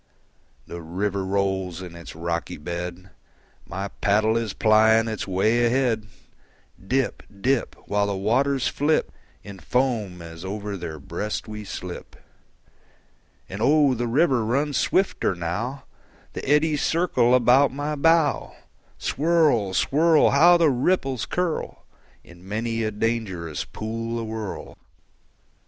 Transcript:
The river rolls in its rocky bed; My paddle is plying its way ahead; Dip, dip, While the waters flip In foam as over their breast we slip. And oh, the river runs swifter now; The eddies circle about my bow. Swirl, swirl! How the ripples curl In many a dangerous pool awhirl!